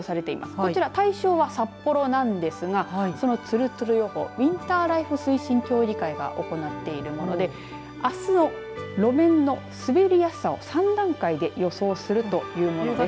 こちら、対象は札幌なんですがそのつるつる予報ウインターライフ推進協議会が行っているものであすの路面の滑りやすさを３段階で予想するというものです。